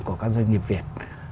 của các doanh nghiệp việt